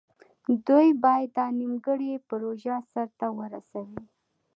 دوی باید دا نیمګړې پروژه سر ته ورسوي.